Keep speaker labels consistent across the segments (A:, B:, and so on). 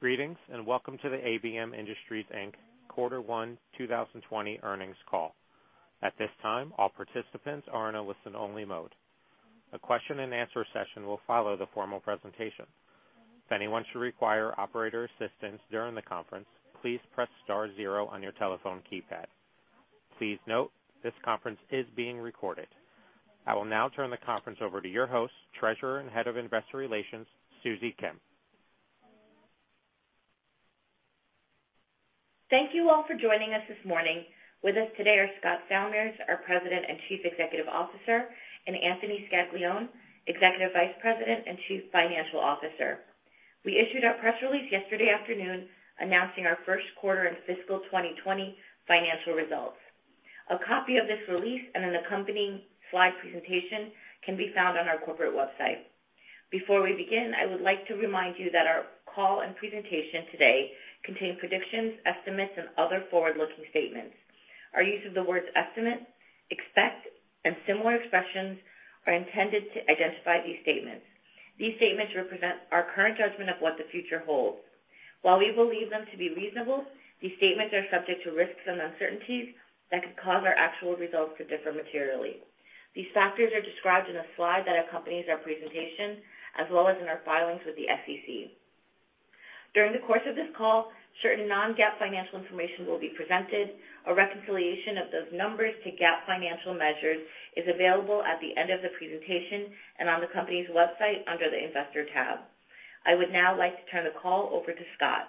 A: Greetings, and welcome to the ABM Industries Inc. quarter one 2020 earnings call. At this time, all participants are in a listen-only mode. A question and answer session will follow the formal presentation. If anyone should require operator assistance during the conference, please press star zero on your telephone keypad. Please note this conference is being recorded. I will now turn the conference over to your host, Treasurer and Head of Investor Relations, Susie Kim.
B: Thank you all for joining us this morning. With us today are Scott Salmirs, our President and Chief Executive Officer, and Anthony Scaglione, Executive Vice President and Chief Financial Officer. We issued our press release yesterday afternoon announcing our first quarter in fiscal 2020 financial results. A copy of this release and an accompanying slide presentation can be found on our corporate website. Before we begin, I would like to remind you that our call and presentation today contain predictions, estimates, and other forward-looking statements. Our use of the words estimate, expect, and similar expressions are intended to identify these statements. These statements represent our current judgment of what the future holds. While we believe them to be reasonable, these statements are subject to risks and uncertainties that could cause our actual results to differ materially. These factors are described in a slide that accompanies our presentation, as well as in our filings with the SEC. During the course of this call, certain non-GAAP financial information will be presented. A reconciliation of those numbers to GAAP financial measures is available at the end of the presentation and on the company's website under the Investor tab. I would now like to turn the call over to Scott.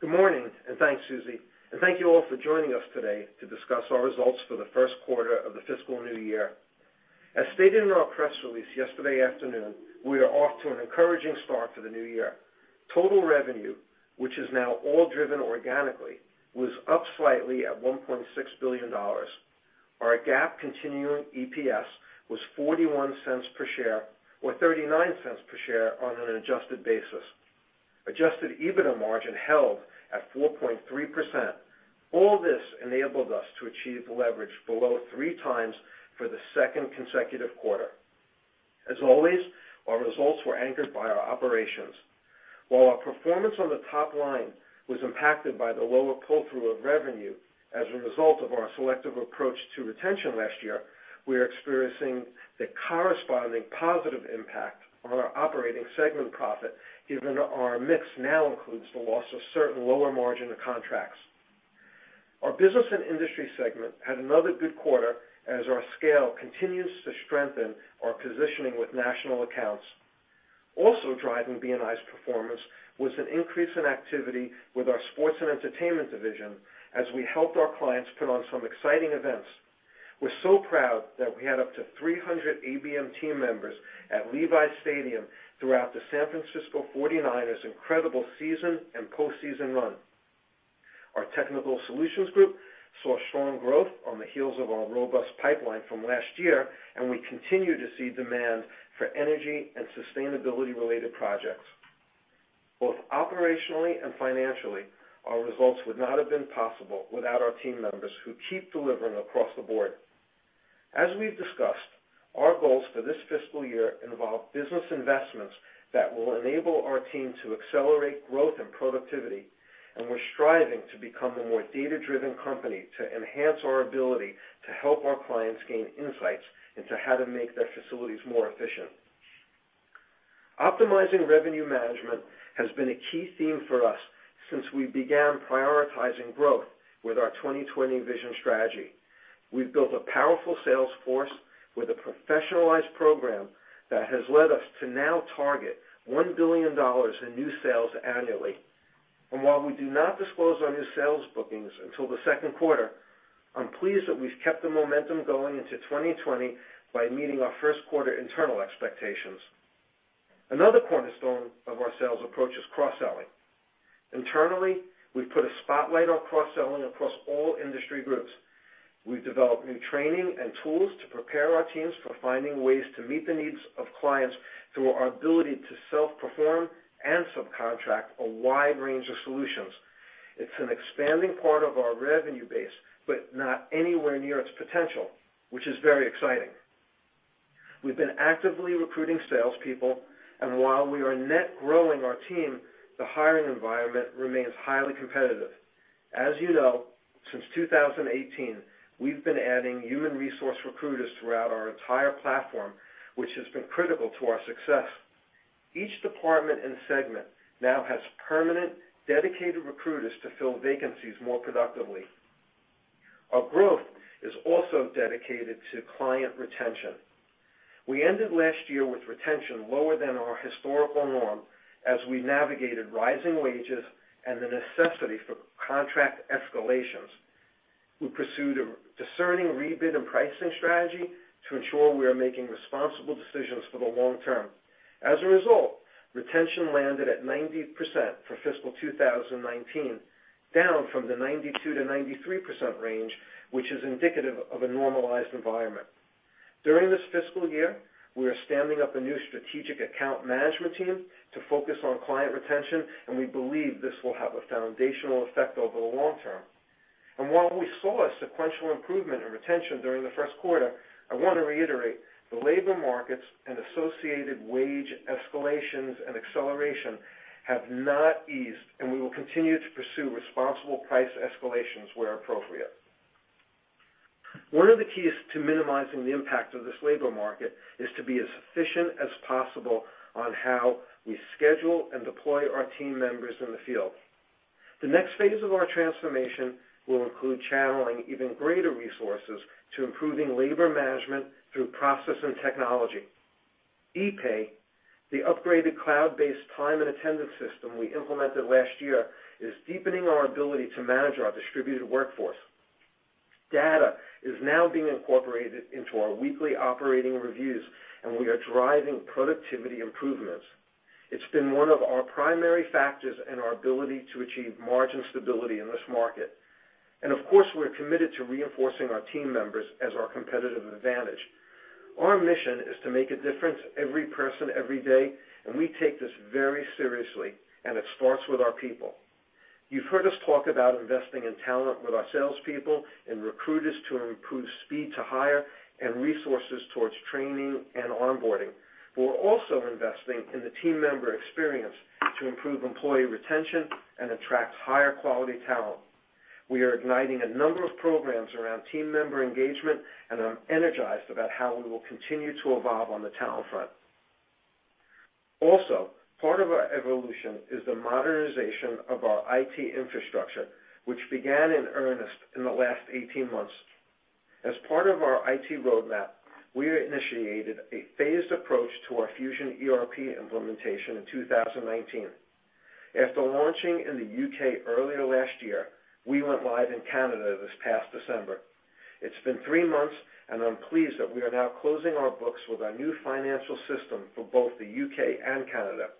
C: Good morning. Thanks, Susie. Thank you all for joining us today to discuss our results for the first quarter of the fiscal new year. As stated in our press release yesterday afternoon, we are off to an encouraging start for the new year. Total revenue, which is now all driven organically, was up slightly at $1.6 billion. Our GAAP continuing EPS was $0.41 per share, or $0.39 per share on an adjusted basis. Adjusted EBITDA margin held at 4.3%. All this enabled us to achieve leverage below 3x for the second consecutive quarter. As always, our results were anchored by our operations. While our performance on the top line was impacted by the lower pull-through of revenue as a result of our selective approach to retention last year, we are experiencing the corresponding positive impact on our operating segment profit, given our mix now includes the loss of certain lower margin contracts. Our Business & Industry segment had another good quarter as our scale continues to strengthen our positioning with national accounts. Also driving B&I's performance was an increase in activity with our Sports & Entertainment division as we helped our clients put on some exciting events. We're so proud that we had up to 300 ABM team members at Levi's Stadium throughout the San Francisco 49ers' incredible season and postseason run. Our Technical Solutions group saw strong growth on the heels of our robust pipeline from last year, and we continue to see demand for energy and sustainability-related projects. Both operationally and financially, our results would not have been possible without our team members who keep delivering across the board. We've discussed our goals for this fiscal year involve business investments that will enable our team to accelerate growth and productivity. We're striving to become a more data-driven company to enhance our ability to help our clients gain insights into how to make their facilities more efficient. Optimizing revenue management has been a key theme for us since we began prioritizing growth with our 2020 Vision strategy. We've built a powerful sales force with a professionalized program that has led us to now target $1 billion in new sales annually. While we do not disclose our new sales bookings until the second quarter, I'm pleased that we've kept the momentum going into 2020 by meeting our first-quarter internal expectations. Another cornerstone of our sales approach is cross-selling. Internally, we've put a spotlight on cross-selling across all industry groups. We've developed new training and tools to prepare our teams for finding ways to meet the needs of clients through our ability to self-perform and subcontract a wide range of solutions. It's an expanding part of our revenue base, but not anywhere near its potential, which is very exciting. We've been actively recruiting salespeople, and while we are net growing our team, the hiring environment remains highly competitive. As you know, since 2018, we've been adding human resource recruiters throughout our entire platform, which has been critical to our success. Each department and segment now has permanent, dedicated recruiters to fill vacancies more productively. Our growth is also dedicated to client retention. We ended last year with retention lower than our historical norm as we navigated rising wages and the necessity for contract escalations. We pursued a discerning rebid and pricing strategy to ensure we are making responsible decisions for the long term. As a result, retention landed at 90% for fiscal 2019, down from the 92%-93% range, which is indicative of a normalized environment. During this fiscal year, we are standing up a new strategic account management team to focus on client retention, and we believe this will have a foundational effect over the long term. While we saw a sequential improvement in retention during the first quarter, I want to reiterate, the labor markets and associated wage escalations and acceleration have not eased, and we will continue to pursue responsible price escalations where appropriate. One of the keys to minimizing the impact of this labor market is to be as efficient as possible on how we schedule and deploy our team members in the field. The next phase of our transformation will include channeling even greater resources to improving labor management through process and technology. EPAY, the upgraded cloud-based time and attendance system we implemented last year, is deepening our ability to manage our distributed workforce. Data is now being incorporated into our weekly operating reviews, and we are driving productivity improvements. It's been one of our primary factors in our ability to achieve margin stability in this market. Of course, we're committed to reinforcing our team members as our competitive advantage. Our mission is to make a difference, every person, every day, and we take this very seriously, and it starts with our people. You've heard us talk about investing in talent with our salespeople and recruiters to improve speed to hire and resources towards training and onboarding. We're also investing in the team member experience to improve employee retention and attract higher-quality talent. We are igniting a number of programs around team member engagement, and I'm energized about how we will continue to evolve on the talent front. Part of our evolution is the modernization of our IT infrastructure, which began in earnest in the last 18 months. As part of our IT roadmap, we initiated a phased approach to our Fusion ERP implementation in 2019. After launching in the U.K. earlier last year, we went live in Canada this past December. It's been three months, and I'm pleased that we are now closing our books with our new financial system for both the U.K. and Canada.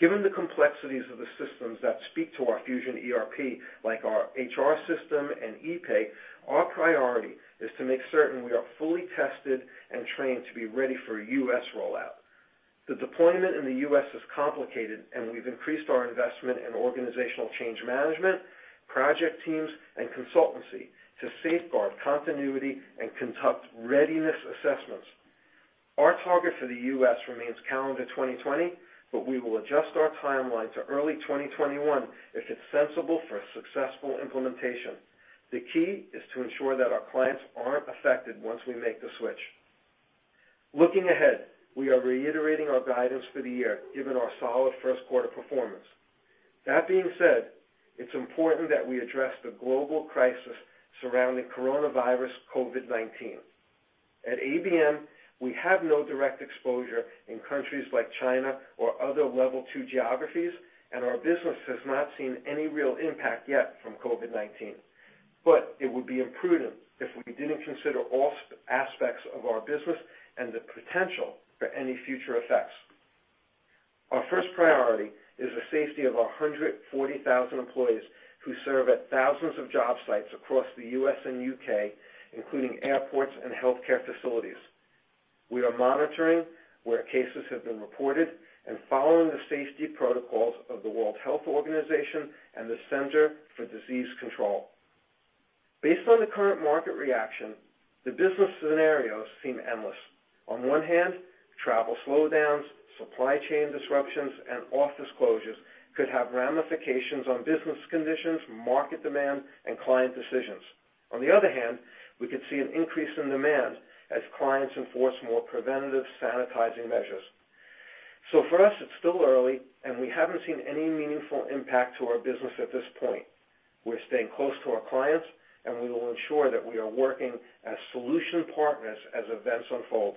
C: Given the complexities of the systems that speak to our Fusion ERP, like our HR system and EPAY, our priority is to make certain we are fully tested and trained to be ready for a U.S. rollout. The deployment in the U.S. is complicated, and we've increased our investment in organizational change management, project teams, and consultancy to safeguard continuity and conduct readiness assessments. Our target for the U.S. remains calendar 2020, but we will adjust our timeline to early 2021 if it's sensible for a successful implementation. The key is to ensure that our clients aren't affected once we make the switch. Looking ahead, we are reiterating our guidance for the year, given our solid first-quarter performance. That being said, it's important that we address the global crisis surrounding coronavirus COVID-19. At ABM, we have no direct exposure in countries like China or other level 2 geographies. Our business has not seen any real impact yet from COVID-19. It would be imprudent if we didn't consider all aspects of our business and the potential for any future effects. Our first priority is the safety of 140,000 employees who serve at thousands of job sites across the U.S. and U.K., including airports and healthcare facilities. We are monitoring where cases have been reported and following the safety protocols of the World Health Organization and the Centers for Disease Control. Based on the current market reaction, the business scenarios seem endless. On one hand, travel slowdowns, supply chain disruptions, and office closures could have ramifications on business conditions, market demand, and client decisions. On the other hand, we could see an increase in demand as clients enforce more preventative sanitizing measures. For us, it's still early, and we haven't seen any meaningful impact to our business at this point. We're staying close to our clients, and we will ensure that we are working as solution partners as events unfold.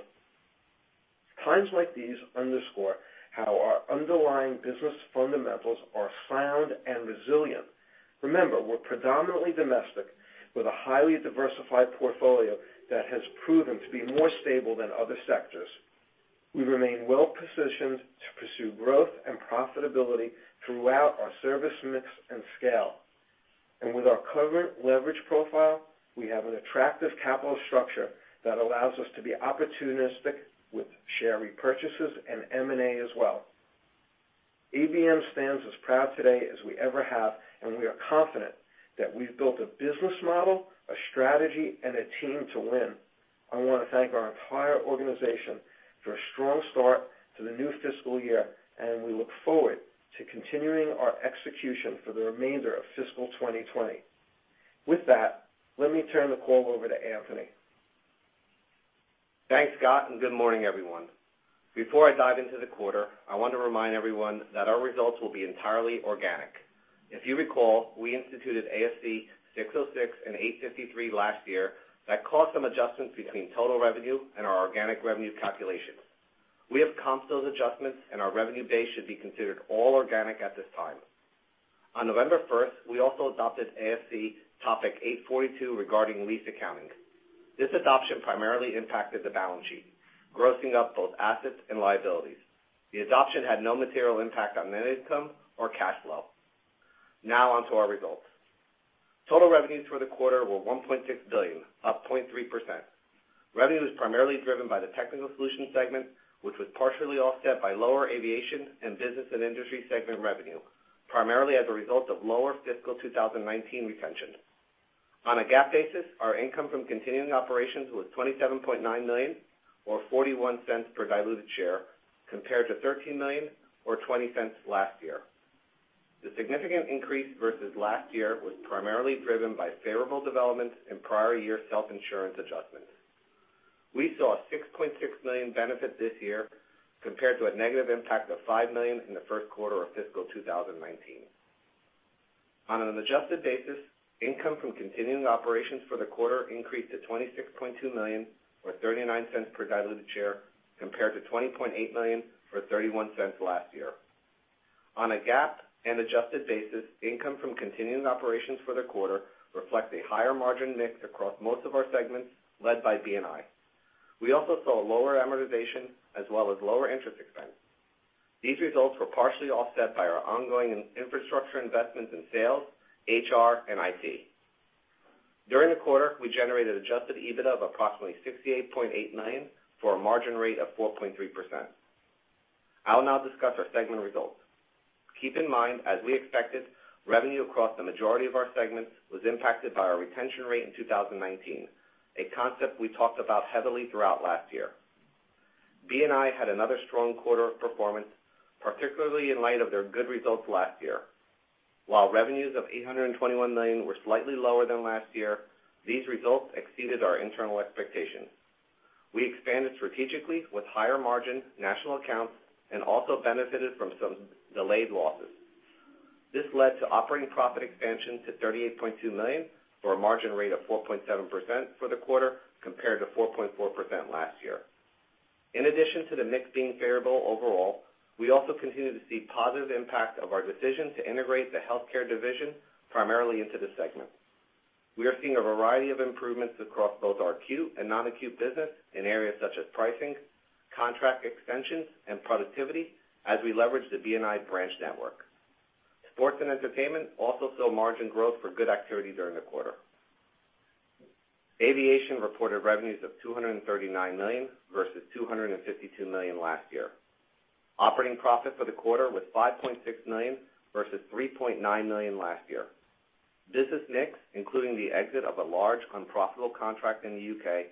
C: Times like these underscore how our underlying business fundamentals are sound and resilient. Remember, we're predominantly domestic with a highly diversified portfolio that has proven to be more stable than other sectors. We remain well-positioned to pursue growth and profitability throughout our service mix and scale. With our current leverage profile, we have an attractive capital structure that allows us to be opportunistic with share repurchases and M&A as well. ABM stands as proud today as we ever have, and we are confident that we've built a business model, a strategy, and a team to win. I want to thank our entire organization for a strong start to the new fiscal year. We look forward to continuing our execution for the remainder of fiscal 2020. With that, let me turn the call over to Anthony.
D: Thanks, Scott, and good morning, everyone. Before I dive into the quarter, I want to remind everyone that our results will be entirely organic. If you recall, we instituted ASC 606 and ASC 853 last year that caused some adjustments between total revenue and our organic revenue calculations. We have comped those adjustments, and our revenue base should be considered all organic at this time. On November 1st, we also adopted ASC Topic 842 regarding lease accounting. This adoption primarily impacted the balance sheet, grossing up both assets and liabilities. The adoption had no material impact on net income or cash flow. Now onto our results. Total revenues for the quarter were $1.6 billion, up 0.3%. Revenue was primarily driven by the Technical Solutions segment, which was partially offset by lower Aviation and Business & Industry segment revenue, primarily as a result of lower fiscal 2019 retention. On a GAAP basis, our income from continuing operations was $27.9 million, or $0.41 per diluted share, compared to $13 million, or $0.20 last year. The significant increase versus last year was primarily driven by favorable developments in prior year self-insurance adjustments. We saw a $6.6 million benefit this year, compared to a negative impact of $5 million in the first quarter of fiscal 2019. On an adjusted basis, income from continuing operations for the quarter increased to $26.2 million, or $0.39 per diluted share, compared to $20.8 million, or $0.31 last year. On a GAAP and adjusted basis, income from continuing operations for the quarter reflect a higher margin mix across most of our segments, led by B&I. We also saw lower amortization as well as lower interest expense. These results were partially offset by our ongoing infrastructure investments in sales, HR, and IT. During the quarter, we generated adjusted EBITDA of approximately $68.8 million, for a margin rate of 4.3%. I'll now discuss our segment results. Keep in mind, as we expected, revenue across the majority of our segments was impacted by our retention rate in 2019, a concept we talked about heavily throughout last year. B&I had another strong quarter of performance, particularly in light of their good results last year. While revenues of $821 million were slightly lower than last year, these results exceeded our internal expectations. We expanded strategically with higher margin national accounts and also benefited from some delayed losses. This led to operating profit expansion to $38.2 million, or a margin rate of 4.7% for the quarter, compared to 4.4% last year. In addition to the mix being favorable overall, we also continue to see positive impact of our decision to integrate the healthcare division primarily into the segment. We are seeing a variety of improvements across both our acute and non-acute business in areas such as pricing, contract extensions, and productivity as we leverage the B&I branch network. Sports & Entertainment also saw margin growth for good activity during the quarter. Aviation reported revenues of $239 million versus $252 million last year. Operating profit for the quarter was $5.6 million versus $3.9 million last year. Business mix, including the exit of a large unprofitable contract in the U.K.,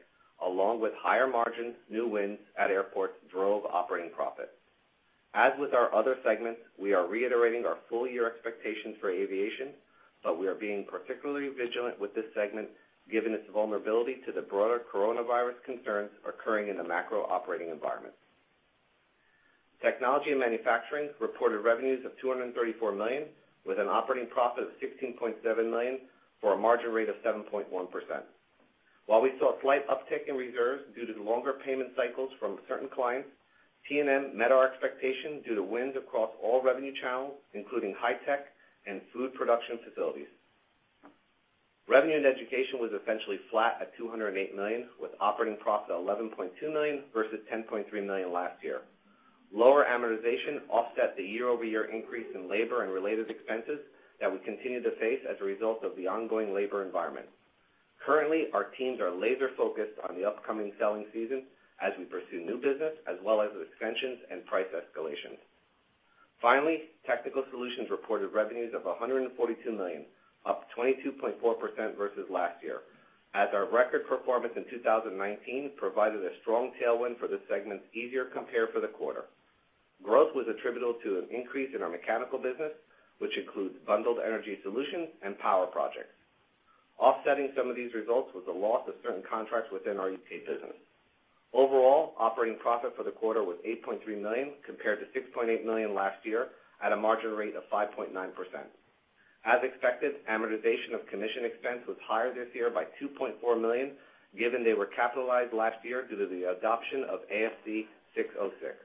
D: along with higher margin new wins at airports, drove operating profit. As with our other segments, we are reiterating our full-year expectations for Aviation, but we are being particularly vigilant with this segment, given its vulnerability to the broader coronavirus concerns occurring in the macro operating environment. Technology & Manufacturing reported revenues of $234 million, with an operating profit of $16.7 million, for a margin rate of 7.1%. While we saw a slight uptick in reserves due to the longer payment cycles from certain clients, T&M met our expectations due to wins across all revenue channels, including high-tech and food production facilities. Revenue in Education was essentially flat at $208 million, with operating profit of $11.2 million versus $10.3 million last year. Lower amortization offset the year-over-year increase in labor and related expenses that we continue to face as a result of the ongoing labor environment. Currently, our teams are laser-focused on the upcoming selling season as we pursue new business, as well as extensions and price escalation. Finally, Technical Solutions reported revenues of $142 million, up 22.4% versus last year, as our record performance in 2019 provided a strong tailwind for the segment's easier compare for the quarter. Growth was attributable to an increase in our mechanical business, which includes Bundled Energy Solutions and power projects. Offsetting some of these results was the loss of certain contracts within our U.K. business. Overall, operating profit for the quarter was $8.3 million compared to $6.8 million last year, at a margin rate of 5.9%. As expected, amortization of commission expense was higher this year by $2.4 million, given they were capitalized last year due to the adoption of ASC 606.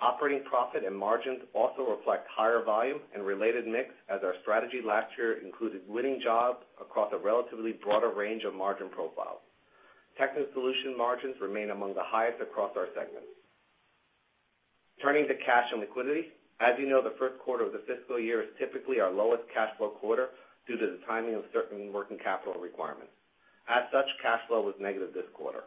D: Operating profit and margins also reflect higher volume and related mix, as our strategy last year included winning jobs across a relatively broader range of margin profiles. Technical Solutions' margins remain among the highest across our segments. Turning to cash and liquidity. As you know, the first quarter of the fiscal year is typically our lowest cash flow quarter due to the timing of certain working capital requirements. As such, cash flow was negative this quarter.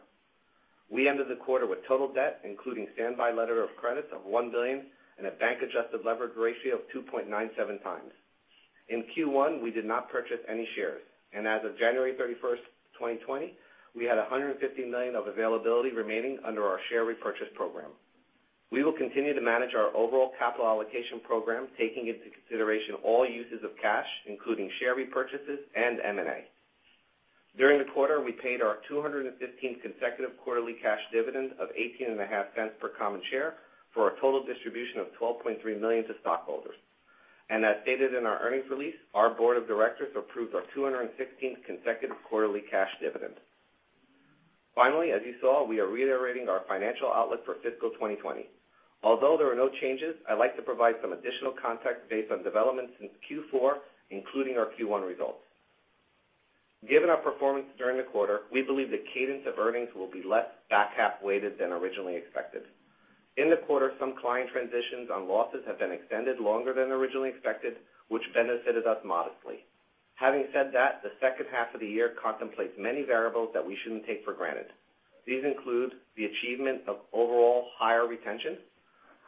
D: We ended the quarter with total debt, including standby letter of credits, of $1 billion, and a bank-adjusted leverage ratio of 2.97x. In Q1, we did not purchase any shares, and as of January 31st, 2020, we had $150 million of availability remaining under our share repurchase program. We will continue to manage our overall capital allocation program, taking into consideration all uses of cash, including share repurchases and M&A. During the quarter, we paid our 215th consecutive quarterly cash dividend of $0.185 per common share for a total distribution of $12.3 million to stockholders. As stated in our earnings release, our board of directors approved our 216th consecutive quarterly cash dividend. Finally, as you saw, we are reiterating our financial outlook for fiscal 2020. Although there are no changes, I'd like to provide some additional context based on developments since Q4, including our Q1 results. Given our performance during the quarter, we believe the cadence of earnings will be less-weighted than originally expected. In the quarter, some client transitions on losses have been extended longer than originally expected, which benefited us modestly. Having said that, the second half of the year contemplates many variables that we shouldn't take for granted. These include the achievement of overall higher retention,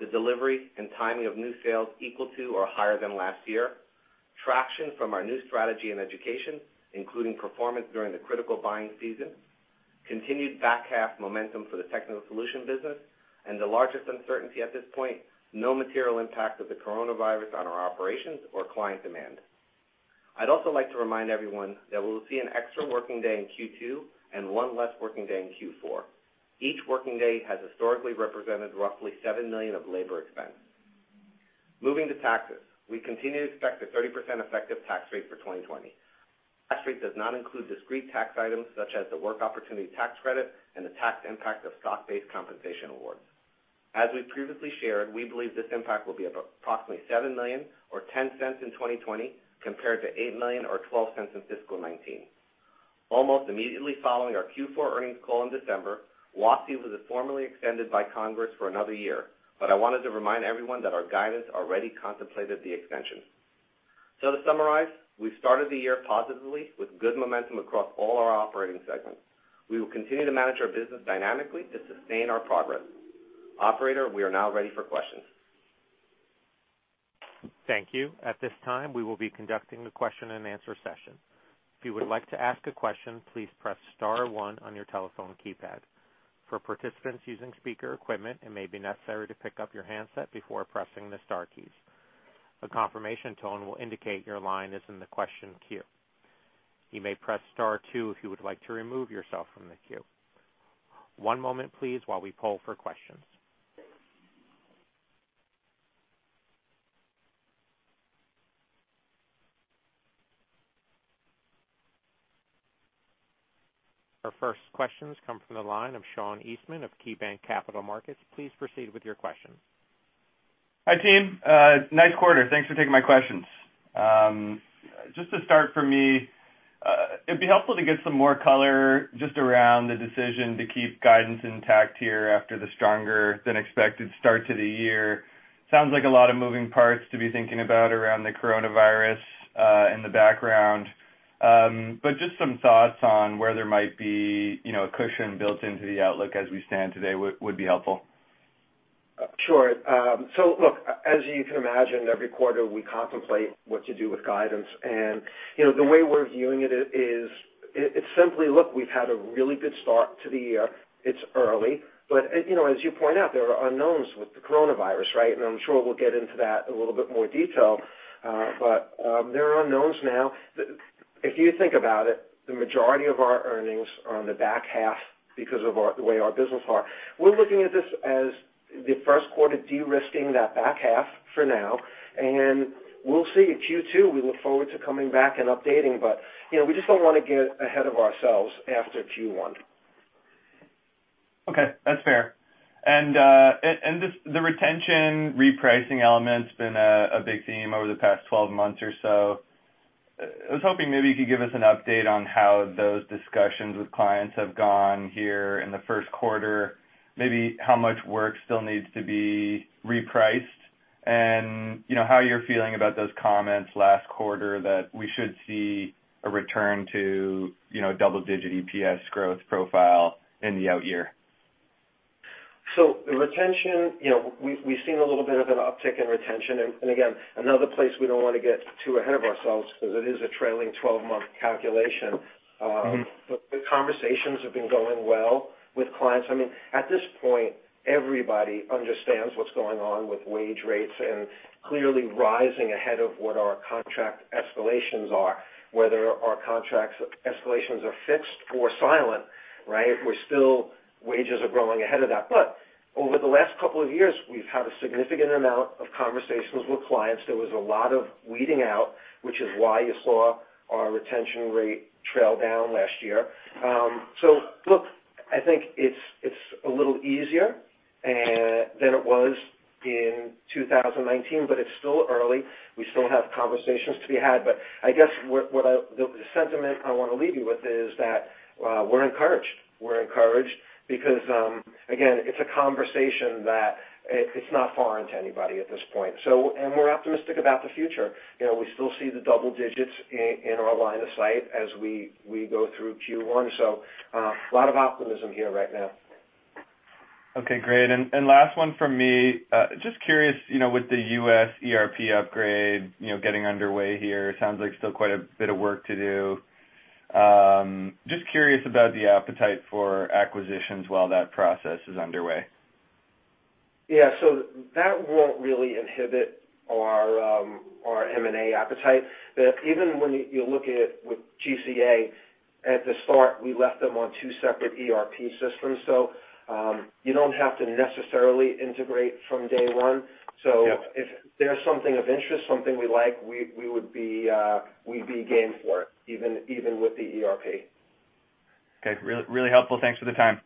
D: the delivery and timing of new sales equal to or higher than last year, traction from our new strategy in Education, including performance during the critical buying season, continued back-half momentum for the Technical Solutions business, and the largest uncertainty at this point, no material impact of the coronavirus on our operations or client demand. I'd also like to remind everyone that we will see an extra working day in Q2 and one less working day in Q4. Each working day has historically represented roughly $7 million of labor expense. Moving to taxes. We continue to expect a 30% effective tax rate for 2020. Tax rate does not include discrete tax items such as the Work Opportunity Tax Credit and the tax impact of stock-based compensation awards. As we've previously shared, we believe this impact will be approximately $7 million or $0.10 in 2020 compared to $8 million or $0.12 in fiscal 2019. Immediately following our Q4 earnings call in December, WOTC was formally extended by Congress for another year. I wanted to remind everyone that our guidance already contemplated the extension. To summarize, we've started the year positively with good momentum across all our operating segments. We will continue to manage our business dynamically to sustain our progress. Operator, we are now ready for questions.
A: Thank you. At this time, we will be conducting the question-and-answer session. If you would like to ask a question, please press star one on your telephone keypad. For participants using speaker equipment, it may be necessary to pick up your handset before pressing the star keys. A confirmation tone will indicate your line is in the question queue. You may press star two if you would like to remove yourself from the queue. One moment, please while we poll for questions. Our first questions come from the line of Sean Eastman of KeyBanc Capital Markets. Please proceed with your questions.
E: Hi, team. Nice quarter. Thanks for taking my questions. Just to start, for me, it'd be helpful to get some more color just around the decision to keep guidance intact here after the stronger than expected start to the year. Sounds like a lot of moving parts to be thinking about around the coronavirus in the background. Just some thoughts on where there might be a cushion built into the outlook as we stand today would be helpful.
D: Sure. Look, as you can imagine, every quarter we contemplate what to do with guidance. The way we're viewing it is it's simply, look, we've had a really good start to the year. It's early, but as you point out, there are unknowns with the coronavirus, right? I'm sure we'll get into that in a little bit more detail. There are unknowns now. If you think about it, the majority of our earnings are in the back half because of the way our business are. We're looking at this as the first quarter de-risking that back half for now, and we'll see at Q2. We look forward to coming back and updating, but we just don't want to get ahead of ourselves after Q1.
E: Okay. That's fair. The retention repricing element's been a big theme over the past 12 months or so. I was hoping maybe you could give us an update on how those discussions with clients have gone here in the first quarter. Maybe how much work still needs to be repriced, and how you're feeling about those comments last quarter that we should see a return to double-digit EPS growth profile in the out year.
D: The retention, we've seen a little bit of an uptick in retention, and again, another place we don't want to get too ahead of ourselves because it is a trailing 12-month calculation. The conversations have been going well with clients. At this point, everybody understands what's going on with wage rates and clearly rising ahead of what our contract escalations are. Whether our contract escalations are fixed or silent, right? Wages are growing ahead of that. Over the last couple of years, we've had a significant amount of conversations with clients. There was a lot of weeding out, which is why you saw our retention rate trail down last year. Look, I think it's a little easier than it was in 2019, but it's still early. We still have conversations to be had. I guess the sentiment I want to leave you with is that we're encouraged. We're encouraged because, again, it's a conversation that it's not foreign to anybody at this point. We're optimistic about the future. We still see the double digits in our line of sight as we go through Q1. A lot of optimism here right now.
E: Okay, great. Last one from me. Just curious, with the U.S. ERP upgrade getting underway here, sounds like still quite a bit of work to do. Just curious about the appetite for acquisitions while that process is underway.
D: Yeah. That won't really inhibit our M&A appetite. Even when you look at it with GCA, at the start, we left them on two separate ERP systems. You don't have to necessarily integrate from day one.
E: Yeah.
D: If there's something of interest, something we like, we'd be game for it, even with the ERP.
E: Okay. Really helpful. Thanks for the time.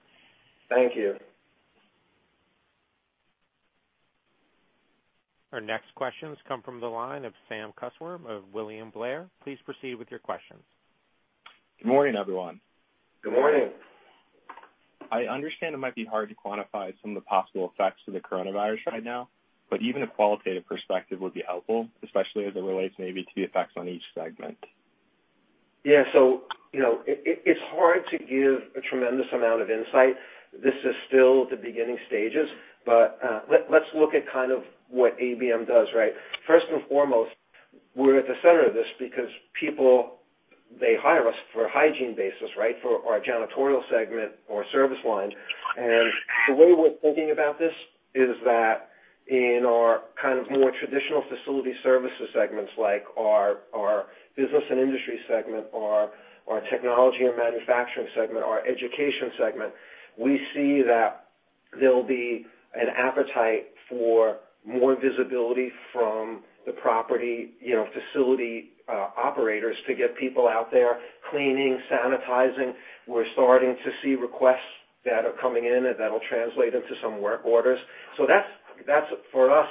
D: Thank you.
A: Our next questions come from the line of Sam Kusswurm of William Blair. Please proceed with your questions.
F: Good morning, everyone.
C: Good morning.
F: I understand it might be hard to quantify some of the possible effects of the coronavirus right now. Even a qualitative perspective would be helpful, especially as it relates maybe to the effects on each segment.
C: Yeah. It's hard to give a tremendous amount of insight. This is still the beginning stages. Let's look at kind of what ABM does, right? First and foremost, we're at the center of this because people, they hire us for a hygiene basis, right? For our janitorial segment or service line. The way we're thinking about this is that in our kind of more traditional facility services segments, like our Business & Industry segment, or our Technology & Manufacturing segment, our Education segment, we see that there'll be an appetite for more visibility from the property facility operators to get people out there cleaning, sanitizing. We're starting to see requests that are coming in, and that'll translate into some work orders. For us,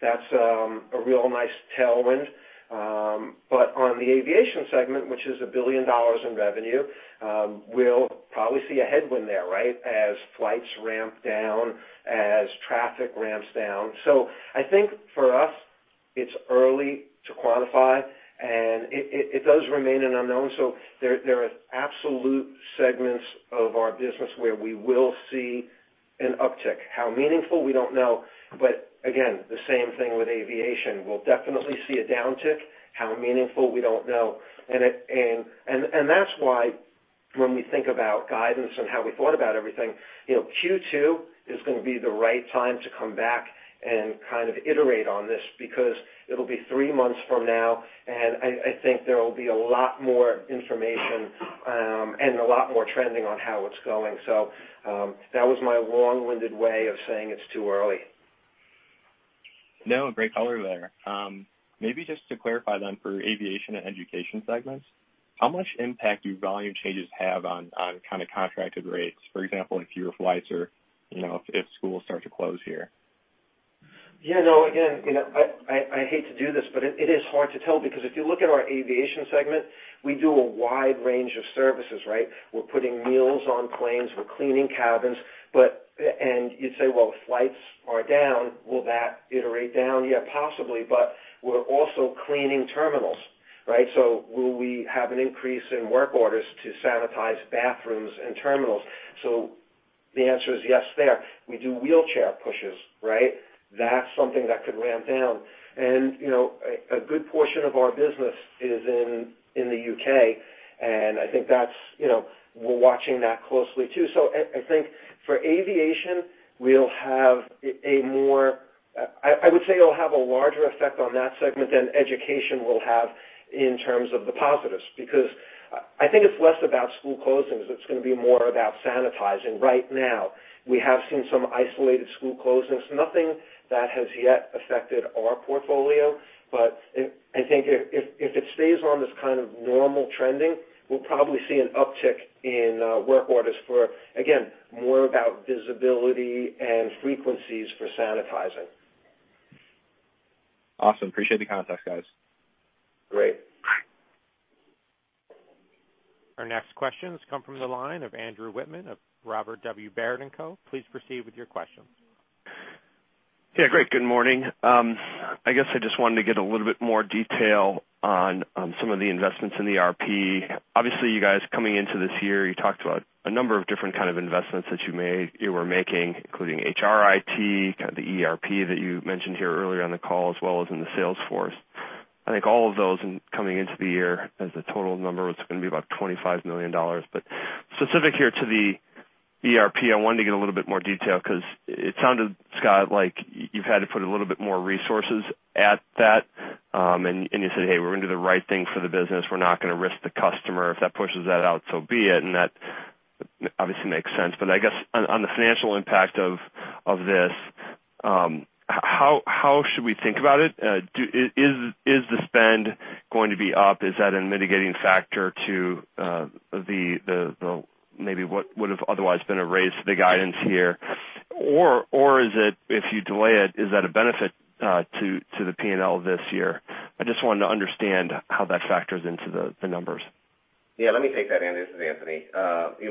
C: that's a real nice tailwind. On the Aviation segment, which is $1 billion in revenue, we'll probably see a headwind there, right? As flights ramp down, as traffic ramps down. I think for us, it's early to quantify, and it does remain an unknown. There are absolute segments of our business where we will see an uptick. How meaningful, we don't know. Again, the same thing with Aviation. We'll definitely see a downtick. How meaningful, we don't know. That's why when we think about guidance and how we thought about everything, Q2 is going to be the right time to come back and kind of iterate on this, because it'll be three months from now, and I think there will be a lot more information and a lot more trending on how it's going. That was my long-winded way of saying it's too early.
F: A great color there. Maybe just to clarify, then, for Aviation and Education segments, how much impact do volume changes have on kind of contracted rates? For example, if fewer flights or if schools start to close here.
C: No, again, I hate to do this, but it is hard to tell because if you look at our Aviation segment, we do a wide range of services, right? We're putting meals on planes, we're cleaning cabins. You'd say, "Well, flights are down. Will that iterate down?" Yeah, possibly, but we're also cleaning terminals, right? Will we have an increase in work orders to sanitize bathrooms and terminals? The answer is yes, there. We do wheelchair pushes, right? That's something that could ramp down. A good portion of our business is in the U.K., and I think we're watching that closely, too. I think for Aviation, I would say it'll have a larger effect on that segment than Education will have in terms of the positives, because I think it's less about school closings, it's going to be more about sanitizing. Right now, we have seen some isolated school closings, nothing that has yet affected our portfolio. I think if it stays on this kind of normal trending, we'll probably see an uptick in work orders for, again, more about visibility and frequencies for sanitizing.
F: Awesome. Appreciate the context, guys.
C: Great.
A: Our next questions come from the line of Andrew Wittmann of Robert W. Baird & Co. Please proceed with your question.
G: Yeah, great. Good morning. I guess I just wanted to get a little bit more detail on some of the investments in the ERP. You guys coming into this year, you talked about a number of different kind of investments that you were making, including HR, IT, kind of the ERP that you mentioned here earlier on the call, as well as in the sales force. I think all of those coming into the year as a total number was going to be about $25 million. Specific here to the ERP, I wanted to get a little bit more detail because it sounded, Scott, like you've had to put a little bit more resources at that. You said, "Hey, we're going to do the right thing for the business. We're not going to risk the customer. If that pushes that out, so be it." That obviously makes sense. I guess, on the financial impact of this, how should we think about it? Is the spend going to be up? Is that a mitigating factor to maybe what would've otherwise been a raise to the guidance here? Is it, if you delay it, is that a benefit to the P&L this year? I just wanted to understand how that factors into the numbers.
D: Yeah, let me take that, Andrew. This is Anthony.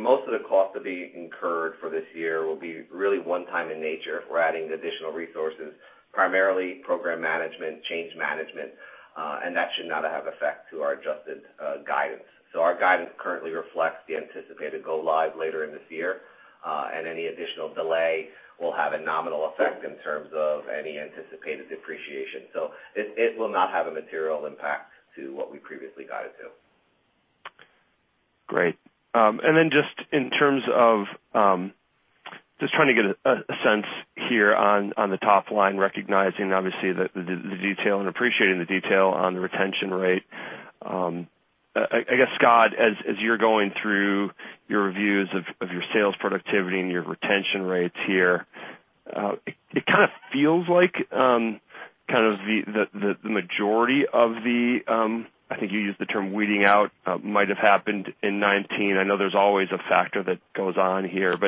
D: Most of the cost to be incurred for this year will be really one-time in nature. We're adding additional resources, primarily program management, change management. That should not have effect to our adjusted guidance. Our guidance currently reflects the anticipated go live later in this year. Any additional delay will have a nominal effect in terms of any anticipated depreciation. It will not have a material impact to what we previously guided to.
G: Great. Just in terms of just trying to get a sense here on the top line, recognizing obviously the detail and appreciating the detail on the retention rate. I guess, Scott, as you're going through your reviews of your sales productivity and your retention rates here, it kind of feels like the majority of the, I think you used the term weeding out, might have happened in 2019. I know there's always a factor that goes on here. Do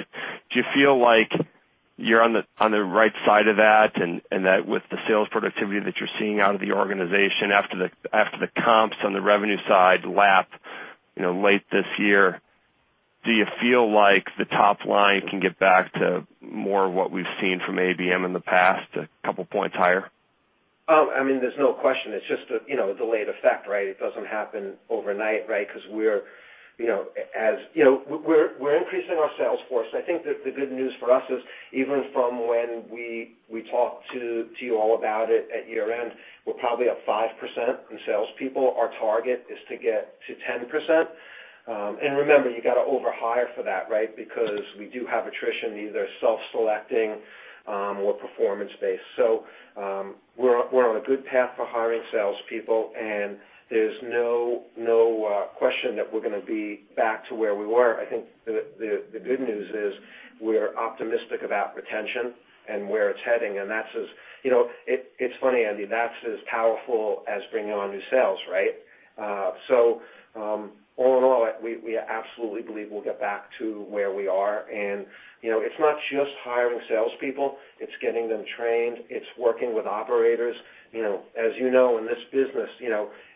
G: you feel like you're on the right side of that, and that with the sales productivity that you're seeing out of the organization after the comps on the revenue side lap late this year, do you feel like the top line can get back to more of what we've seen from ABM in the past, a couple points higher?
C: There's no question. It's just a delayed effect. It doesn't happen overnight because we're increasing our sales force. I think that the good news for us is even from when we talked to you all about it at year-end, we're probably up 5% in salespeople. Our target is to get to 10%. Remember, you got to over-hire for that because we do have attrition, either self-selecting or performance-based. We're on a good path for hiring salespeople, and there's no question that we're going to be back to where we were. I think the good news is we're optimistic about retention and where it's heading. It's funny, Andy, that's as powerful as bringing on new sales. All in all, we absolutely believe we'll get back to where we are. It's not just hiring salespeople. It's getting them trained. It's working with operators. As you know, in this business,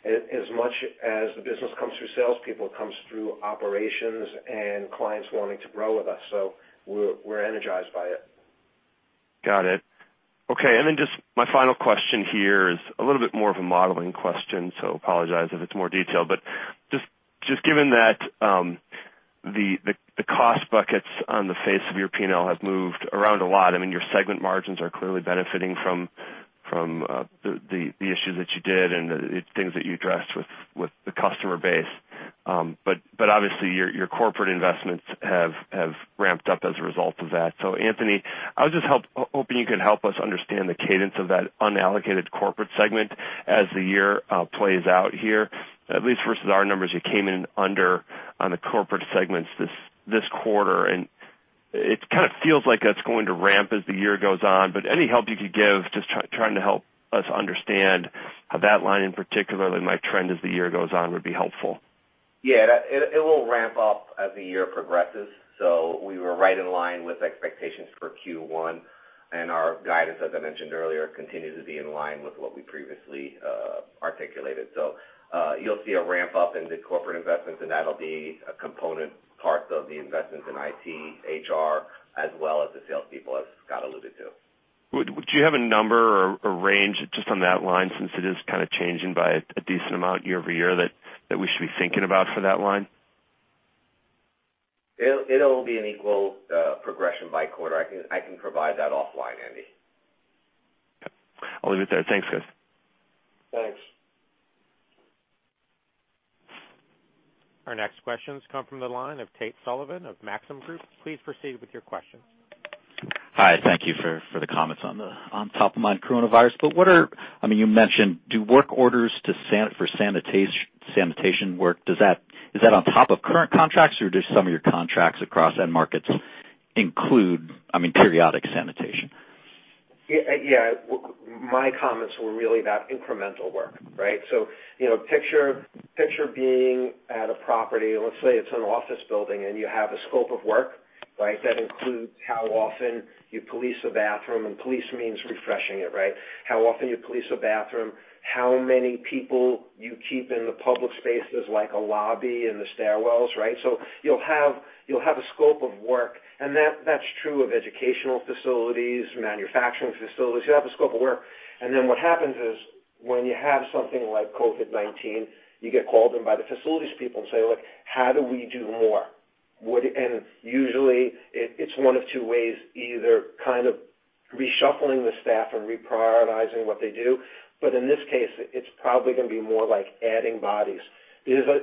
C: as much as the business comes through salespeople, it comes through operations and clients wanting to grow with us. We're energized by it.
G: Got it. Okay, just my final question here is a little bit more of a modeling question, so apologize if it's more detailed, but just given that the cost buckets on the face of your P&L have moved around a lot. Your segment margins are clearly benefiting from the issues that you did and the things that you addressed with the customer base. Obviously, your corporate investments have ramped up as a result of that. Anthony, I was just hoping you could help us understand the cadence of that unallocated corporate segment as the year plays out here. At least versus our numbers, you came in under on the corporate segments this quarter, and it kind of feels like that's going to ramp as the year goes on. Any help you could give, just trying to help us understand how that line in particular might trend as the year goes on, would be helpful.
D: Yeah, it will ramp up as the year progresses. We were right in line with expectations for Q1. Our guidance, as I mentioned earlier, continues to be in line with what we previously articulated. You'll see a ramp-up in the corporate investments, and that'll be a component part of the investments in IT, HR, as well as the salespeople, as Scott alluded to.
G: Do you have a number or a range just on that line, since it is kind of changing by a decent amount year-over-year, that we should be thinking about for that line?
D: It'll be an equal progression by quarter. I can provide that offline, Andy.
G: I'll leave it there. Thanks, guys.
C: Thanks.
A: Our next questions come from the line of Tate Sullivan of Maxim Group. Please proceed with your questions.
H: Hi. Thank you for the comments on top-of-mind coronavirus. You mentioned do work orders for sanitation work. Is that on top of current contracts, or do some of your contracts across end markets include periodic sanitation?
C: Yeah. My comments were really about incremental work. Picture being at a property. Let's say it's an office building, and you have a scope of work that includes how often you police a bathroom, and police means refreshing it. How often you police a bathroom, how many people you keep in the public spaces like a lobby and the stairwells? You'll have a scope of work, and that's true of educational facilities, manufacturing facilities. You have a scope of work, and then what happens is when you have something like COVID-19, you get called in by the facilities people and say, "Look, how do we do more?" Usually, it's one of two ways: either kind of reshuffling the staff and reprioritizing what they do. In this case, it's probably going to be more like adding bodies. There's a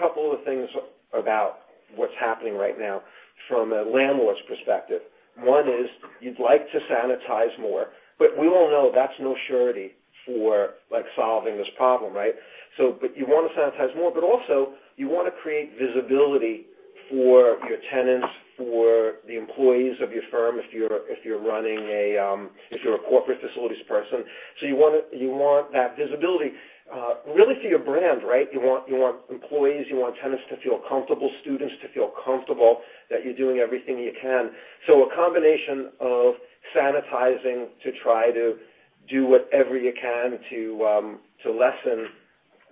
C: couple of things about what's happening right now from a landlord's perspective. One is you'd like to sanitize more, but we all know that's no surety for solving this problem. You want to sanitize more, but also you want to create visibility for your tenants, for the employees of your firm, if you're a corporate facilities person. You want that visibility really for your brand. You want employees, you want tenants to feel comfortable, students to feel comfortable that you're doing everything you can. A combination of sanitizing to try to do whatever you can to lessen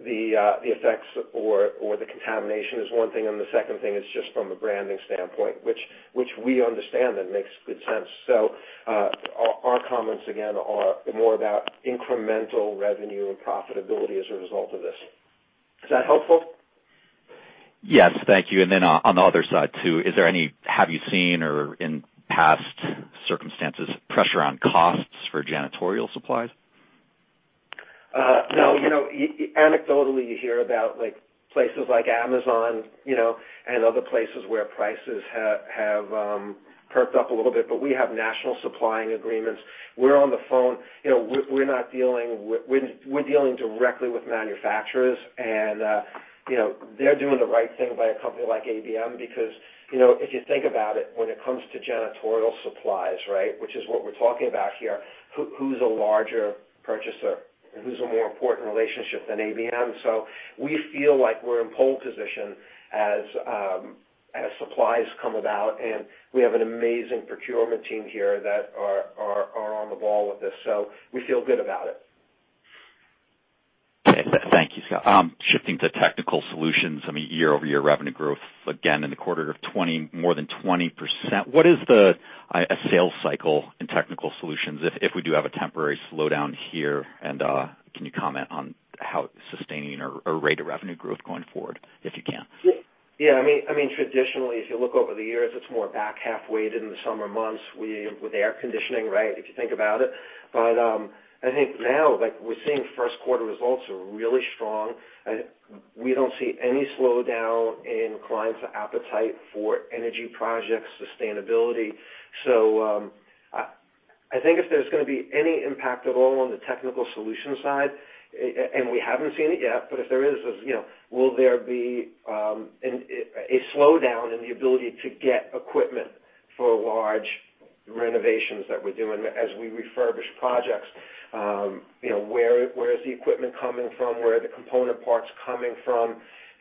C: the effects or the contamination is one thing, and the second thing is just from a branding standpoint, which we understand and makes good sense. Our comments, again, are more about incremental revenue and profitability as a result of this. Is that helpful?
H: Yes. Thank you. On the other side, too, have you seen or in past circumstances, pressure on costs for janitorial supplies?
C: No. Anecdotally, you hear about places like Amazon and other places where prices have perked up a little bit, but we have national supplying agreements. We're on the phone. We're dealing directly with manufacturers, and they're doing the right thing by a company like ABM because if you think about it, when it comes to janitorial supplies, which is what we're talking about here, who's a larger purchaser and who's a more important relationship than ABM? We feel like we're in pole position as supplies come about, and we have an amazing procurement team here that are on the ball with this, so we feel good about it.
H: Thanks, Scott. Shifting to Technical Solutions. I mean, year-over-year revenue growth, again, in the quarter of more than 20%. What is the sales cycle in Technical Solutions? If we do have a temporary slowdown here, and can you comment on how sustaining a rate of revenue growth going forward, if you can?
C: Yeah. Traditionally, if you look over the years, it's more back half weighted in the summer months with air conditioning, right, if you think about it. I think now, we're seeing first quarter results are really strong. We don't see any slowdown in clients' appetite for energy projects, sustainability. I think if there's going to be any impact at all on the Technical Solutions side, and we haven't seen it yet, but if there is, will there be a slowdown in the ability to get equipment for large renovations that we're doing as we refurbish projects? Where is the equipment coming from? Where are the component parts coming from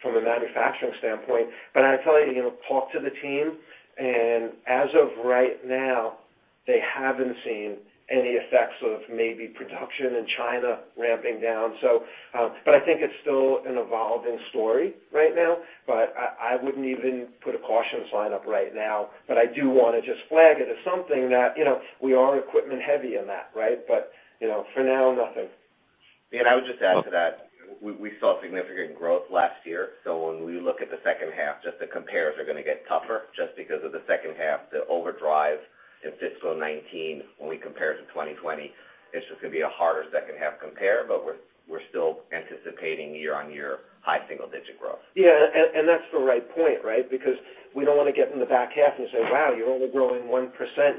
C: a manufacturing standpoint? I tell you, talk to the team, and as of right now, they haven't seen any effects of maybe production in China ramping down. I think it's still an evolving story right now, but I wouldn't even put a caution sign up right now. I do want to just flag it as something that we are equipment-heavy in that, right? For now, nothing.
D: I would just add to that, we saw significant growth last year. When we look at the second half, just the compares are going to get tougher, just because of the second half, the overdrive in fiscal 2019 when we compare to 2020. It's just going to be a harder second half compare, but we're still anticipating year-on-year high single-digit growth.
C: Yeah. That's the right point, right? We don't want to get in the back half and say, "Wow, you're only growing 1%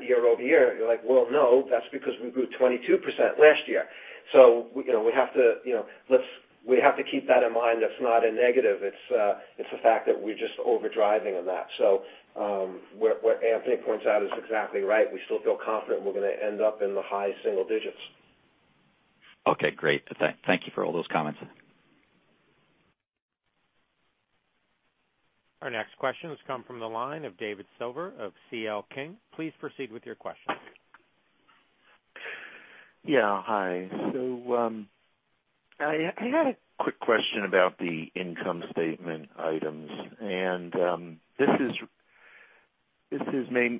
C: year-over-year." You're like, "Well, no, that's because we grew 22% last year." We have to keep that in mind. That's not a negative. It's a fact that we're just over-driving in that. What Anthony points out is exactly right. We still feel confident we're going to end up in the high single digits.
H: Okay, great. Thank you for all those comments.
A: Our next questions come from the line of David Silver of C.L. King. Please proceed with your questions.
I: Yeah. Hi. I had a quick question about the income statement items, and this is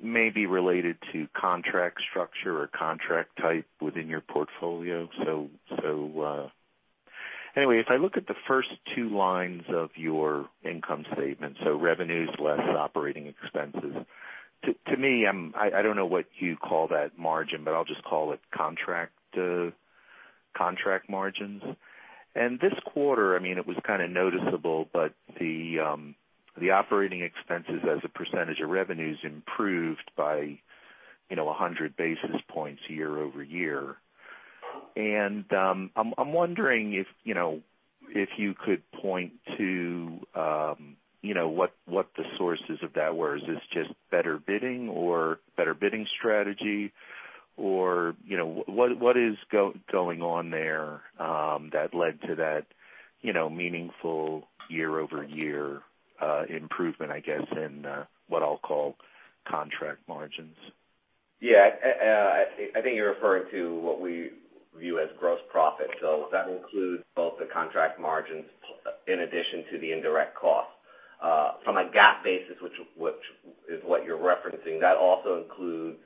I: maybe related to contract structure or contract type within your portfolio. Anyway, if I look at the first two lines of your income statement, so revenues less operating expenses, to me, I don't know what you call that margin, but I'll just call it contract margins. This quarter, it was kind of noticeable, but the operating expenses as a percentage of revenues improved by 100 basis points year-over-year. I'm wondering if you could point to what the sources of that were. Is this just better bidding or better bidding strategy? What is going on there that led to that meaningful year-over-year improvement, I guess, in what I'll call contract margins?
D: Yeah. I think you're referring to what we view as gross profit. That includes both the contract margins in addition to the indirect cost. From a GAAP basis, which is what you're referencing, that also includes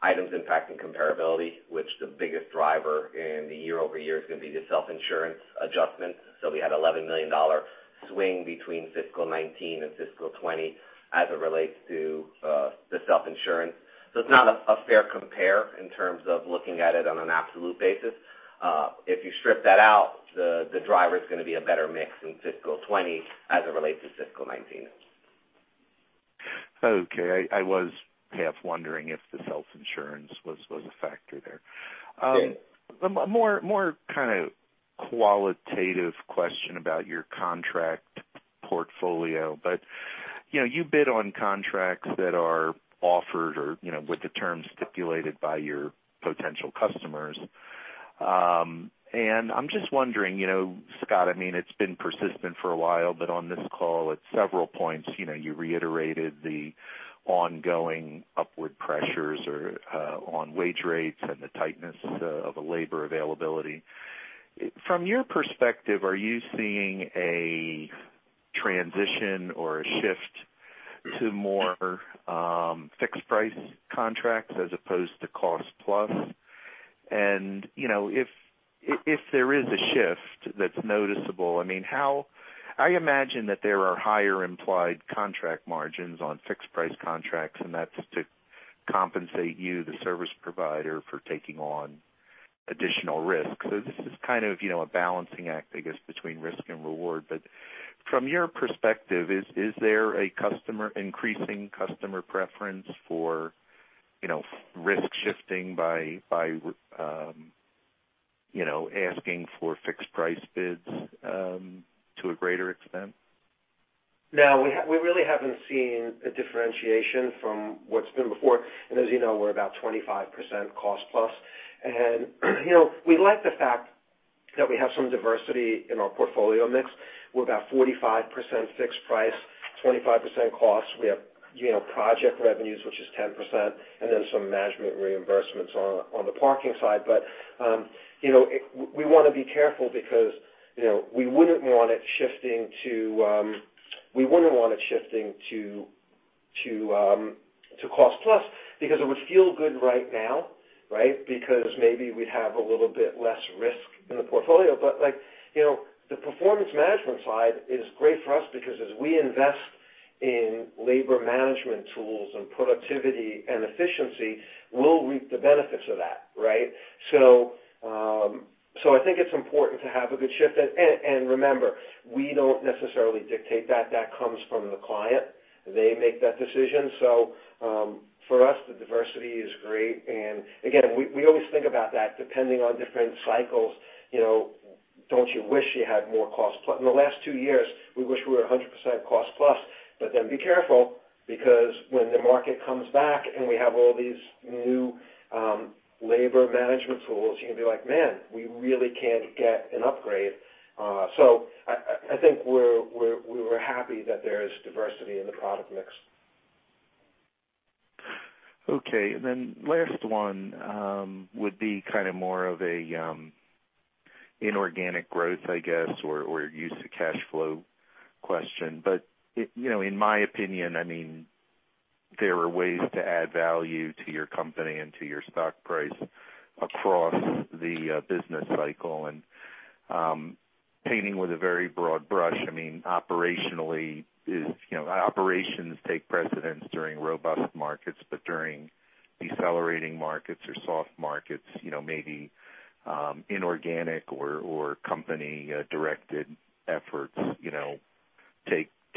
D: items impacting comparability, which the biggest driver in the year-over-year is going to be the self-insurance adjustment. We had $11 million swing between fiscal 2019 and fiscal 2020 as it relates to the self-insurance. It's not a fair compare in terms of looking at it on an absolute basis. If you strip that out, the driver's going to be a better mix in fiscal 2020 as it relates to fiscal 2019.
I: Okay. I was half wondering if the self-insurance was a factor there.
D: Yeah.
I: More kind of qualitative question about your contract portfolio, but you bid on contracts that are offered or with the terms stipulated by your potential customers. I'm just wondering, Scott, it's been persistent for a while, but on this call, at several points, you reiterated the ongoing upward pressures on wage rates and the tightness of labor availability. From your perspective, are you seeing a transition or a shift to more fixed price contracts as opposed to cost-plus? If there is a shift that's noticeable, I imagine that there are higher implied contract margins on fixed price contracts, and that's to compensate you, the service provider, for taking on additional risk. This is kind of a balancing act, I guess, between risk and reward. From your perspective, is there an increasing customer preference for risk shifting by asking for fixed price bids to a greater extent?
C: No, we really haven't seen a differentiation from what's been before. As you know, we're about 25% cost plus. We like the fact that we have some diversity in our portfolio mix. We're about 45% fixed price, 25% cost. We have project revenues, which is 10%, and then some management reimbursements on the parking side. We want to be careful because we wouldn't want it shifting to cost plus, because it would feel good right now, because maybe we'd have a little bit less risk in the portfolio. The performance management side is great for us because as we invest in labor management tools and productivity and efficiency, we'll reap the benefits of that. Right? I think it's important to have a good shift. Remember, we don't necessarily dictate that. That comes from the client. They make that decision. For us, the diversity is great. Again, we always think about that depending on different cycles. Don't you wish you had more cost plus? In the last two years, we wish we were 100% cost plus, but then be careful because when the market comes back, and we have all these new labor management tools, you're going to be like, "Man, we really can't get an upgrade." I think we're happy that there is diversity in the product mix.
I: Okay, last one would be more of a inorganic growth, I guess, or use of cash flow question. In my opinion, there are ways to add value to your company and to your stock price across the business cycle. Painting with a very broad brush, operations take precedence during robust markets, but during decelerating markets or soft markets, maybe inorganic or company-directed efforts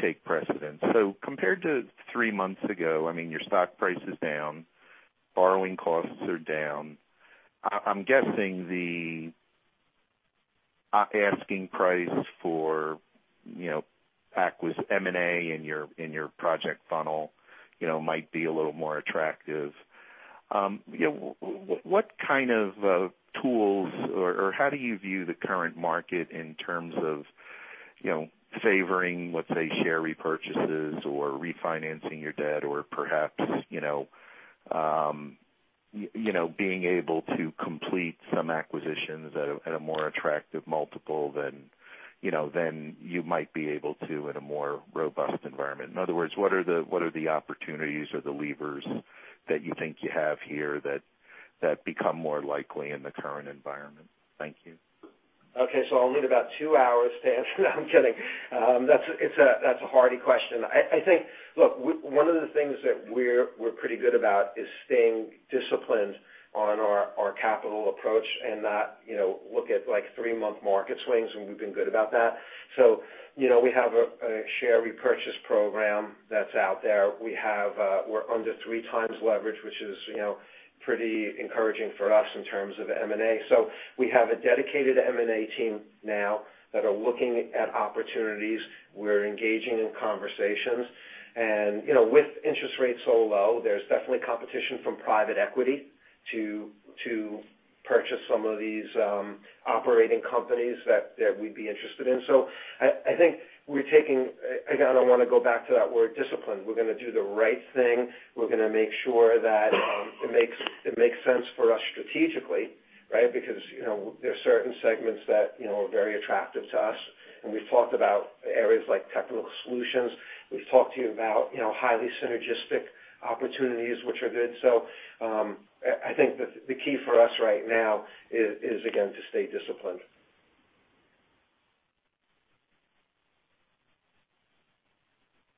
I: take precedence. Compared to three months ago, your stock price is down, borrowing costs are down. I'm guessing the asking price for M&A in your project funnel might be a little more attractive. What kind of tools, or how do you view the current market in terms of favoring, let's say, share repurchases or refinancing your debt? Or perhaps, being able to complete some acquisitions at a more attractive multiple than you might be able to in a more robust environment. In other words, what are the opportunities or the levers that you think you have here that become more likely in the current environment? Thank you.
C: Okay. I'll need about two hours to answer that. I'm kidding. That's a hardy question. I think, look, one of the things that we're pretty good about is staying disciplined on our capital approach and not look at three-month market swings, and we've been good about that. We have a share repurchase program that's out there. We're under 3x leverage, which is pretty encouraging for us in terms of M&A. We have a dedicated M&A team now that are looking at opportunities. We're engaging in conversations. With interest rates so low, there's definitely competition from private equity to purchase some of these operating companies that we'd be interested in. I think, again, I want to go back to that word discipline. We're going to do the right thing. We're going to make sure that it makes sense for us strategically. Because there are certain segments that are very attractive to us, and we've talked about areas like Technical Solutions. We've talked to you about highly synergistic opportunities, which are good. I think the key for us right now is, again, to stay disciplined.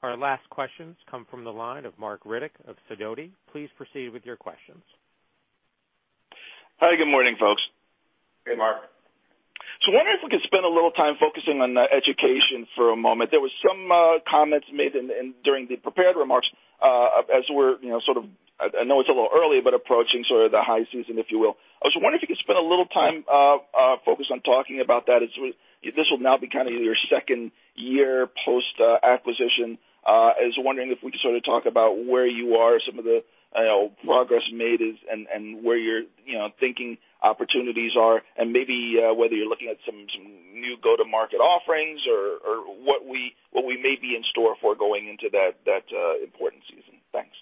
A: Our last questions come from the line of Marc Riddick of Sidoti. Please proceed with your questions.
J: Hi, good morning, folks.
C: Hey, Marc.
J: Wondering if we could spend a little time focusing on Education for a moment. There was some comments made during the prepared remarks as we're sort of, I know it's a little early, but approaching sort of the high season, if you will. I was wondering if you could spend a little time focused on talking about that, as this will now be kind of your second year post-acquisition. I was wondering if we could sort of talk about where you are, some of the progress made, and where you're thinking opportunities are, and maybe whether you're looking at some new go-to-market offerings or what we may be in store for going into that important season. Thanks.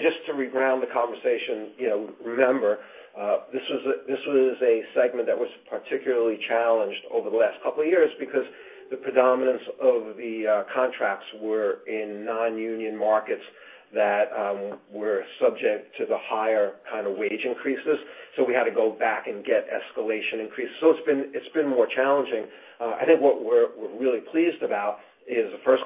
C: Just to reground the conversation, remember, this was a segment that was particularly challenged over the last couple of years because the predominance of the contracts were in non-union markets that were subject to the higher wage increases. We had to go back and get escalation increases. It's been more challenging. I think what we're really pleased about is the first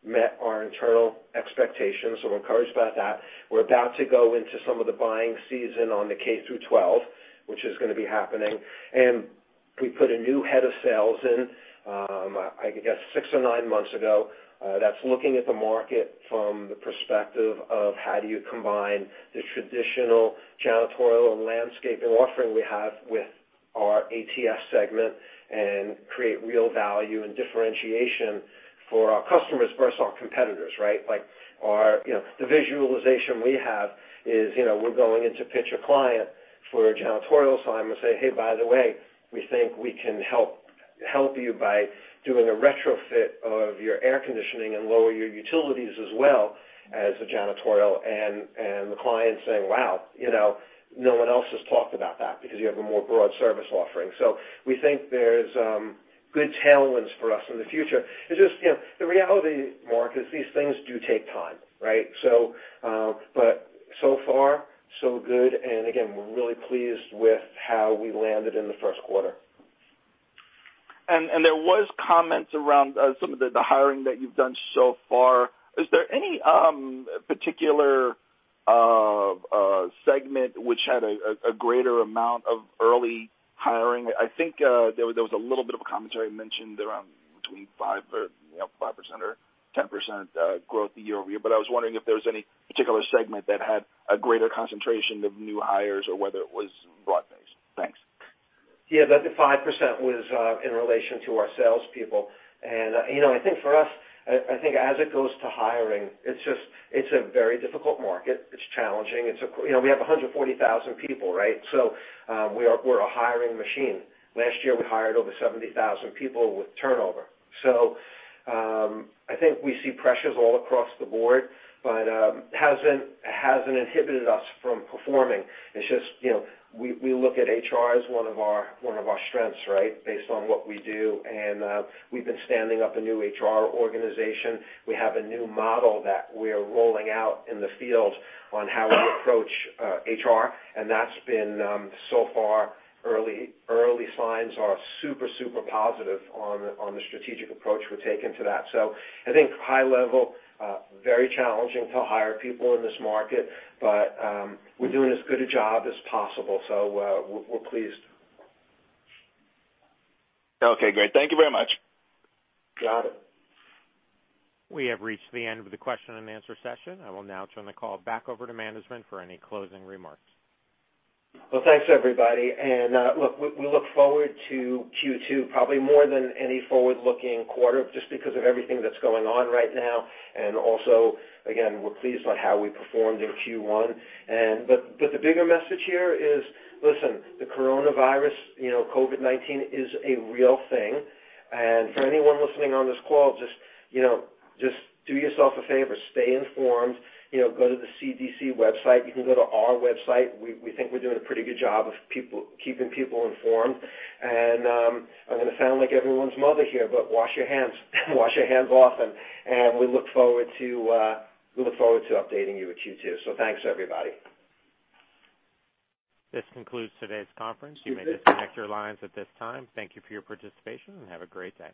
C: quarter met our internal expectations. We're encouraged about that. We're about to go into some of the buying season on the K-12, which is going to be happening. We put a new head of sales in, I guess six or nine months ago, that's looking at the market from the perspective of how do you combine the traditional janitorial and landscaping offering we have with our ATS segment and create real value and differentiation for our customers versus our competitors, right? The visualization we have is we're going in to pitch a client for a janitorial assignment and say, "Hey, by the way, we think we can help you by doing a retrofit of your air conditioning and lower your utilities as well as the janitorial, and the client saying, "Wow. No one else has talked about that," because you have a more broad service offering. We think there's good tailwinds for us in the future. It's just the reality, Marc, is these things do take time, right? So far, so good. Again, we're really pleased with how we landed in the first quarter.
J: There was comments around some of the hiring that you've done so far. Is there any particular segment which had a greater amount of early hiring? I think there was a little bit of a commentary mentioned around between 5% or 10% growth year-over-year. I was wondering if there was any particular segment that had a greater concentration of new hires or whether it was broad-based. Thanks.
C: Yeah, the 5% was in relation to our salespeople. I think for us, I think as it goes to hiring, it's a very difficult market. It's challenging. We have 140,000 people, right? We're a hiring machine. Last year, we hired over 70,000 people with turnover. I think we see pressures all across the board, but it hasn't inhibited us from performing. It's just we look at HR as one of our strengths, right? Based on what we do. We've been standing up a new HR organization. We have a new model that we're rolling out in the field on how we approach HR, and that's been, so far, early signs are super positive on the strategic approach we've taken to that. I think high level, very challenging to hire people in this market. We're doing as good a job as possible, so we're pleased.
J: Okay, great. Thank you very much.
C: Got it.
A: We have reached the end of the question and answer session. I will now turn the call back over to management for any closing remarks.
C: Well, thanks, everybody. Look, we look forward to Q2 probably more than any forward-looking quarter, just because of everything that's going on right now. Also, again, we're pleased on how we performed in Q1. The bigger message here is, listen, the coronavirus, COVID-19, is a real thing. For anyone listening on this call, just do yourself a favor. Stay informed. Go to the CDC website. You can go to our website. We think we're doing a pretty good job of keeping people informed. I'm going to sound like everyone's mother here, but wash your hands. Wash your hands often. We look forward to updating you at Q2. Thanks, everybody.
A: This concludes today's conference. You may disconnect your lines at this time. Thank you for your participation, and have a great day.